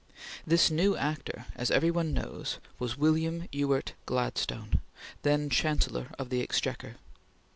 This new actor, as every one knows, was William Ewart Gladstone, then Chancellor of the Exchequer.